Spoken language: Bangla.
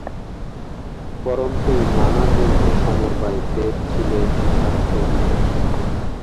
পরন্তু নানা গ্রন্থের সমবায়ে বেদ ছিল একটি সাহিত্য-বিশেষ।